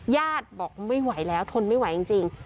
ญาติบอกไม่ไหวแล้วทนไม่ไหวจริง